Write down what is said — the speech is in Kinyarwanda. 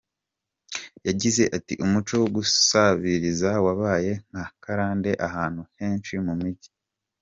Yagize ati “Umuco wo gusabiriza wabaye nka karande ahantu henshi mu mijyi.